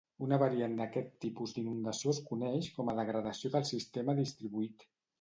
Una variant d'aquest tipus d'inundació es coneix com a degradació del sistema distribuït.